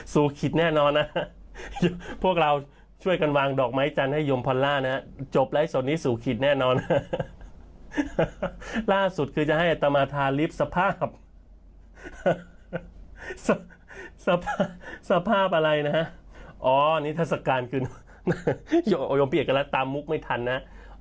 สภาพอะไรนะฮะอ๋อนิทศกาลคืนยมเปียกกันแล้วตามมุกไม่ทันนะ